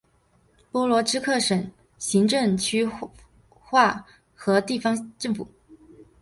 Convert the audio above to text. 波罗兹克省行政区划和地方政府。